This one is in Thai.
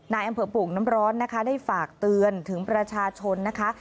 ในอำเภอโป่งน้ำร้อนนะคะได้ฝากเตือนถึงประชาชนนะคะ